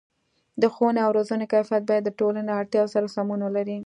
د ښوونې او روزنې کیفیت باید د ټولنې اړتیاو سره سمون ولري.